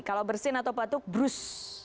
kalau bersin atau patuk brus